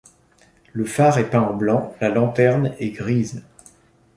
Le phare est peint en blanc, la lanterne est grise.